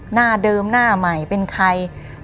หน้าเดิมหน้าใหม่เป็นใคร